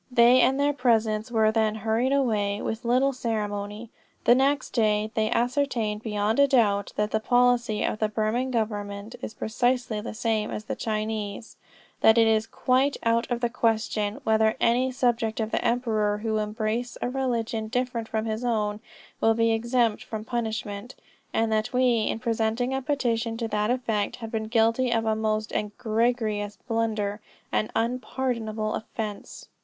They and their presents were then hurried away with little ceremony. The next day they "ascertained beyond a doubt, that the policy of the Burman government is precisely the same as the Chinese; that it is quite out of the question whether any subjects of the emperor who embrace a religion different from his own, will be exempt from punishment; and that we, in presenting a petition to that effect, had been guilty of a most egregious blunder, an unpardonable offence."